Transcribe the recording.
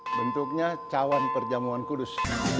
bentuknya cawan perjamuan kudus